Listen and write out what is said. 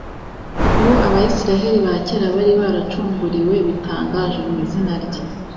uwo Abisirayeli ba kera bari baracunguriwe bitangaje mu izina rye